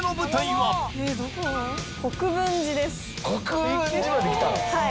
はい。